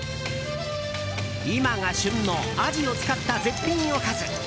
今が旬のアジを使った絶品おかず。